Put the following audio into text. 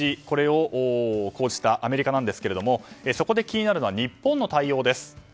これを講じたアメリカですがそこで気になるのは日本の対応です。